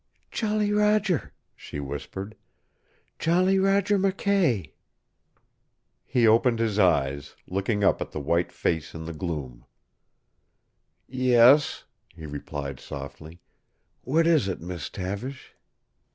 "Jolly Roger!" she whispered. "Jolly Roger McKay!" He opened his eyes, looking up at the white face in the gloom. "Yes," he replied softly. "What is it, Miss Tavish?"